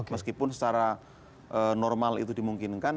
meskipun secara normal itu dimungkinkan